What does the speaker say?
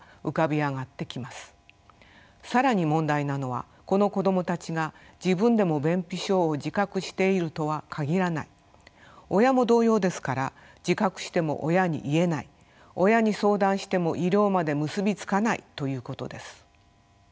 更に問題なのはこの子どもたちが自分でも便秘症を自覚しているとは限らない親も同様ですから自覚しても親に言えない親に相談しても医療まで結び付かないということです。